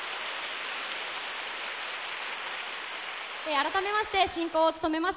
改めまして進行を務めます